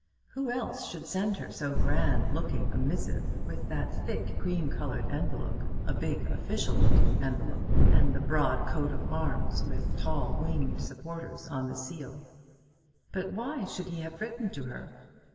Who else should send her so grand looking a missive, with that thick cream coloured envelope (a big official looking envelope), and the broad coat of arms with tall winged supporters on the seal? But why should he have written to her?